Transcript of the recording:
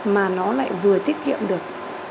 mà nó lại vừa tiết kiệm được